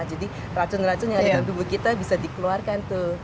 jadi racun racun yang ada dalam tubuh kita bisa dikeluarkan tuh